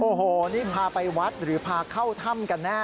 โอ้โหนี่พาไปวัดหรือพาเข้าถ้ำกันแน่